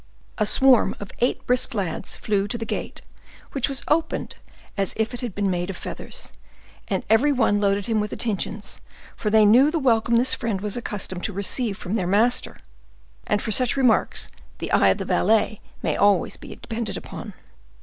A swarm of eight brisk lads flew to the gate, which was opened as if it had been made of feathers; and every one loaded him with attentions, for they knew the welcome this friend was accustomed to receive from their master; and for such remarks the eye of the valet may always be depended upon.